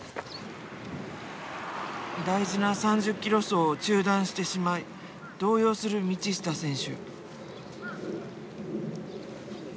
大事な３０ｋｍ走を中断してしまい動揺する道下選手。